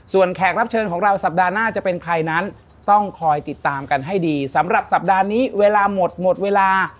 ส่วนแขกรับเชิญของเราสัปดาห์หน้าจะเป็นใครนั้นต้องคอยติดตามกันให้ดีสำหรับสัปดาห์นี้เวลาหมดหมดเวลา